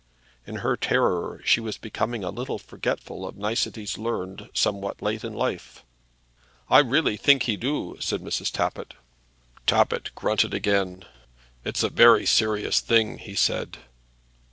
In her terror she was becoming a little forgetful of niceties learned somewhat late in life. "I really think he do," said Mrs. Tappitt. Tappitt grunted again. "It's a very serious thing," he said.